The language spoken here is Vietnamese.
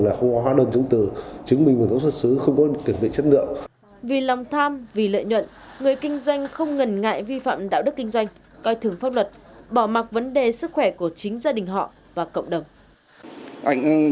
vì lòng tham vì lợi nhuận người kinh doanh không ngần ngại vi phạm đạo đức kinh doanh coi thường pháp luật bỏ mặt vấn đề sức khỏe của chính gia đình họ và cộng đồng